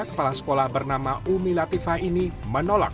kepala sekolah bernama umi latifah ini menolak